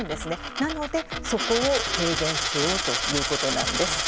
なので、そこを軽減しようということなんです。